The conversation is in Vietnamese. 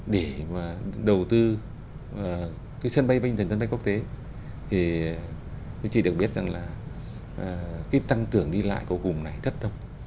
để mà đầu tư cái sân bay bình thường sân bay quốc tế thì tôi chỉ được biết rằng là cái tăng trưởng đi lại của vùng này rất đông